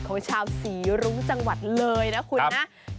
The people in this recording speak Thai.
ของชาวสี่รุงจังหวัดเลยนะคุณ